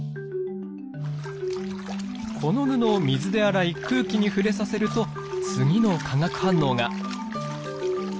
この布を水で洗い空気に触れさせると次の化学反応が！